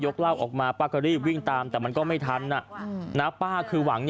เหล้าออกมาป้าก็รีบวิ่งตามแต่มันก็ไม่ทันป้าคือหวัง